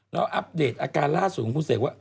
แล้วอัปเดตอาการล่าสุดของคุณเสกว่า